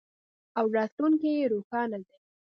او راتلونکی یې روښانه دی.